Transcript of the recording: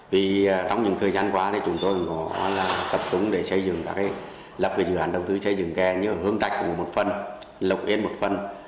vì trong những thời gian qua thì chúng tôi có tập trung để xây dựng các cái lập về dự án đầu tư xây dựng kè như là hương trạch một phần lộc yên một phần